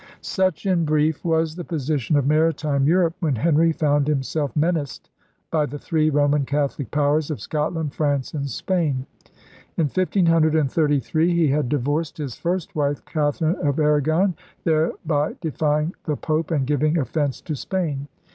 Such, in brief, was the position of maritime Europe when Henry found himself menaced by the three Roman Catholic powers of Scotland, France, and Spain. In 1533 he had divorced his first wife, Catherine of Aragon, thereby defying the Fope and giving offence to Spain.